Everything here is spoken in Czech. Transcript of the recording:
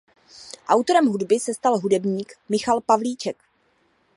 Autorem hudby se stal hudebník Michal Pavlíček.